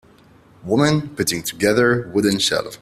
Woman putting together wooden shelf.